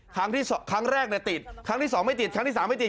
ครั้งแรกติดครั้งที่๒ไม่ติดครั้งที่๓ไม่ติด